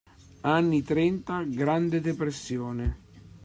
Anni trenta, Grande depressione.